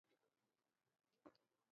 تھَݳ اَوتݳ رݳ چھݵس.